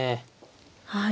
はい。